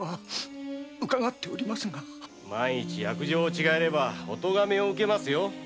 万一約定を違えればお咎めを受けますよ。